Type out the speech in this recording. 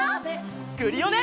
クリオネ！